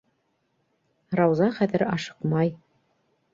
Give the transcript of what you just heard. Рауза хәҙер ашыҡмай.